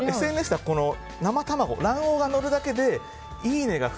ＳＮＳでは生卵、卵黄がのるだけでいいね